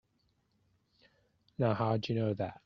Now how'd you know that?